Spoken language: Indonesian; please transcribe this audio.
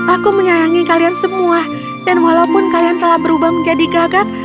aku menyayangi kalian semua dan walaupun kalian telah berubah menjadi gagak